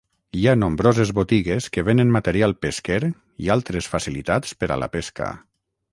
Hi ha nombroses botigues que vénen material pesquer i altres facilitats per a la pesca.